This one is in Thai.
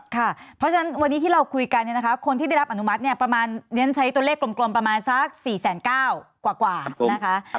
ค่ะเพราะฉะนั้นวันนี้ที่เราคุยกันเนี่ยนะคะคนที่ได้รับอนุมัติใช้ตัวเลขกลมประมาณสัก๔๙๐๐๐๐๐กว่ากว่านะครับ